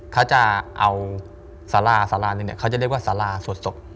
เขาจะเอาสาราสารานึงเนี่ยเขาจะเรียกว่าสาราสวดศพ